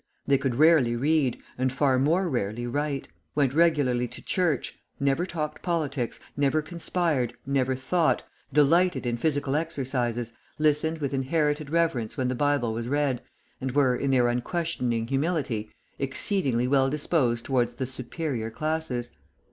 They could rarely read and far more rarely write; went regularly to church, never talked politics, never conspired, never thought, delighted in physical exercises, listened with inherited reverence when the Bible was read, and were, in their unquestioning humility, exceedingly well disposed towards the "superior" classes.